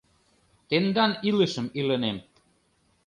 Тендан илышым илынем.